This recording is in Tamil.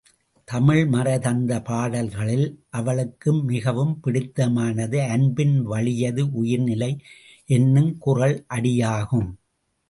தமிழ் மறை தந்த பாடல்களிலே அவளுக்கு மிகவும் பிடித்தமானது அன்பின் வழியது உயிர் நிலை என்னும் குறள் அடியாகும்.